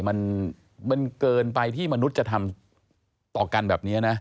มันเกินไปที่มนุษย์จะทำต่อกันแบบนี้นะ